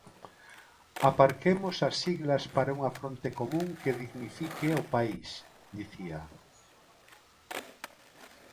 "Aparquemos as siglas para unha fronte común que dignifique o país", dicía.